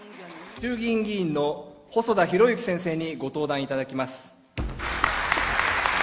衆議院議員の細田博之先生にご登壇いただきます。